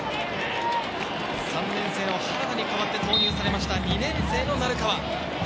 ３年生の原田に代わって投入された２年生の鳴川。